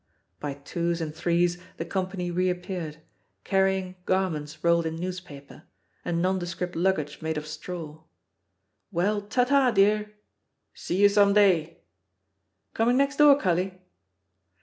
By twos and threes the company reappeared, carrying garments rolled in newspaper, and non descript luggage made of straw: "WeD, ta ta, dearl" "See you some dayl" "Coming next door, cuUy?"